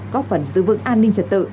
góp phần giữ vững an ninh trật tự